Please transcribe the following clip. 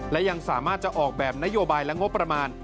และยังสามารถจะออกแบบนโยบายและงบประมาณ